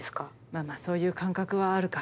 まぁまぁそういう感覚はあるか。